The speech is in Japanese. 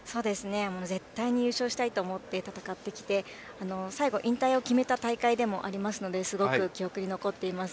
絶対に優勝したいと思って戦ってきて最後、引退を決めた大会でもありますのですごく記憶に残っています。